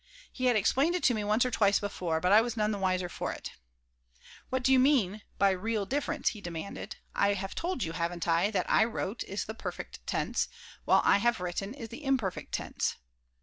He had explained it to me once or twice before, but I was none the wiser for it "What do you mean by 'real difference'?" he demanded. "I have told you, haven't I, that 'I wrote' is the perfect tense, while 'I have written' is the imperfect tense."